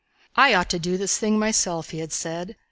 "I ought to do this thing myself," he had said.